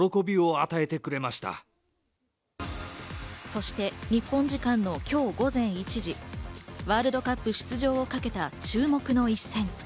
そして日本時間の今日午前１時、ワールドカップ出場をかけた注目の一戦。